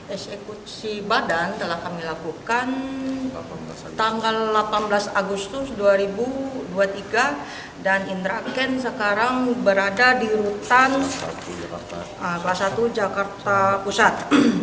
eksekusi badan telah kami lakukan tanggal delapan belas agustus dua ribu dua puluh tiga dan indra ken sekarang berada di rutan kelas satu jakarta pusat